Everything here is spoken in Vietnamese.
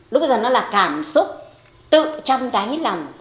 lúc bây giờ nó là cảm xúc tự trong cái lòng